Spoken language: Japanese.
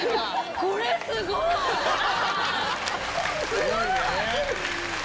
すごいね！